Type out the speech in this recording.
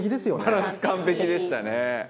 バランス、完璧でしたね。